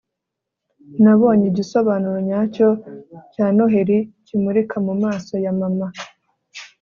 nabonye igisobanuro nyacyo cya noheri kimurika mumaso ya mama